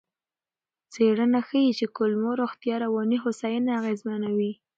څېړنه ښيي چې کولمو روغتیا رواني هوساینه اغېزمنوي.